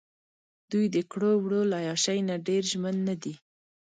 دوۍ دکړو وړو له عیاشۍ نه ډېر ژمن نه دي.